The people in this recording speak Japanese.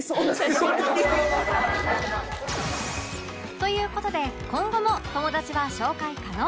という事で今後も友達は紹介可能！